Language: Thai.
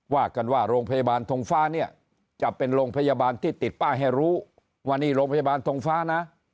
ว่ากันว่าโรงพยาบาลทงฟ้าเนี่ยจะเป็นโรงพยาบาลที่ติดป้ายให้รู้ว่านี่โรงพยาบาลทงฟ้านะ